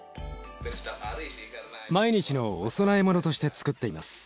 毎日のお供え物としてつくっています。